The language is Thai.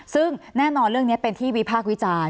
ซึ่งแน่นอนเรื่องนี้เป็นที่วิพากษ์วิจารณ์